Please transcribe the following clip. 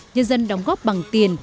nhân dân đóng góp bằng tiền